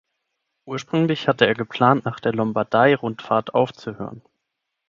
Ursprünglich hatte er geplant, nach der Lombardei-Rundfahrt aufzuhören.